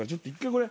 これ。